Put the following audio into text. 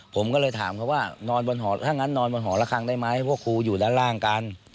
ผมก็เลยถามเขาว่านอนบนหอถ้างั้นนอนบนหอละครั้งได้ไหมพวกครูอยู่ด้านล่างกัน